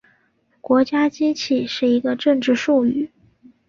国家机器是一个政治术语。